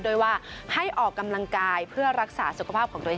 โดยว่าให้ออกกำลังกายเพื่อรักษาสุขภาพของตัวเอง